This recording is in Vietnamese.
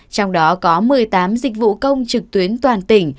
trong đó có một mươi tám dịch vụ công trực tuyến toàn tỉnh